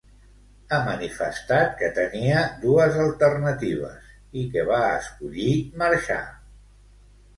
Ha manifestat que tenia dues alternatives i que va escollir marxar.